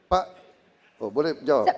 pak boleh jawab